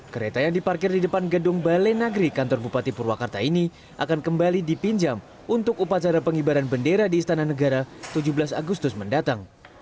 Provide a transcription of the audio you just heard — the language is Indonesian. kereta yang diparkir di depan gedung balai nagri kantor bupati purwakarta ini akan kembali dipinjam untuk upacara pengibaran bendera di istana negara tujuh belas agustus mendatang